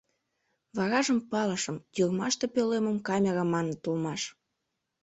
Варажым палышым: тюрьмаште пӧлемым камера маныт улмаш.